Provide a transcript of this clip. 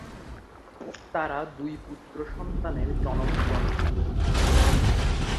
তাঁরা দুই পুত্র সন্তানের জনক-জননী।